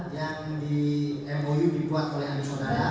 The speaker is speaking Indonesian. yang di mou dibuat oleh saudara